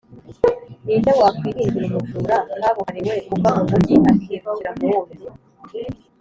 Ni nde wakwiringira umujura kabuhariwe uva mu mugi akirukira mu wundi?